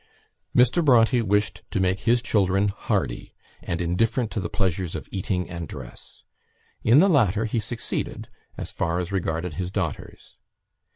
Mr. Bronte wished to make his children hardy, and indifferent to the pleasures of eating and dress. In the latter he succeeded, as far as regarded his daughters.